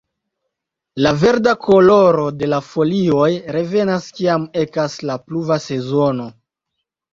La verda koloro de la folioj revenas kiam ekas la pluva sezono.